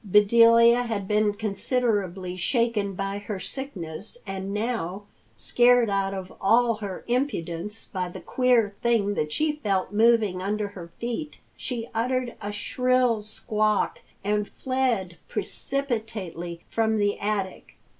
Bedelia had been considerably shaken by her sickness and now, scared out of all her impudence by the queer thing that she felt moving under her feet, she uttered a shrill squawk and fled precipitately from the attic.